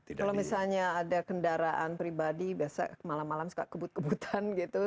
kalau misalnya ada kendaraan pribadi biasa malam malam suka kebut kebutan gitu